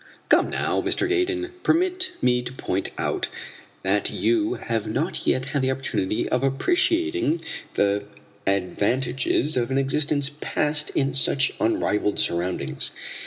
"Come, now, Mr. Gaydon, permit me to point out that you have not yet had the opportunity of appreciating the advantages of an existence passed in such unrivalled surroundings.